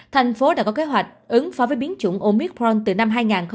thành phố đã có kế hoạch ứng phó với biến chủng omicron từ năm hai nghìn một mươi chín